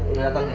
iru datang nih